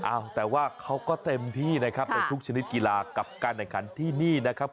อ้าวแต่ว่าเขาก็เต็มที่นะครับในทุกชนิดกีฬากับการแข่งขันที่นี่นะครับ